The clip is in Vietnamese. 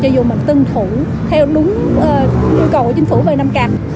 cho dù mình tân thủ theo đúng nhu cầu của chính phủ về năm k